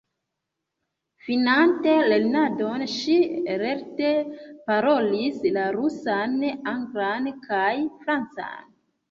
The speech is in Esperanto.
Finante lernadon ŝi lerte parolis la rusan, anglan kaj francan.